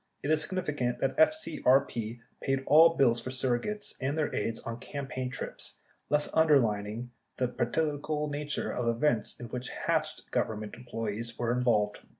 It is significant that FCRP paid all bills for surrogates and their aides on campaign trips thus underlining the political nature of the events in which "Hatched" Government employees were involved.